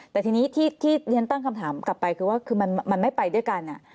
แต่ทีนี้ที่ท่านเต้นคำถามกลับไปคือว่ามันไม่ไปด้วยกันน่ะ